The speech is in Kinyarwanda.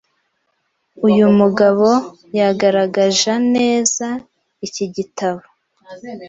Uyu mugabo yagaragaja neza iki gitabo